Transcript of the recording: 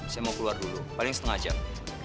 saya mau keluar dulu paling setengah jam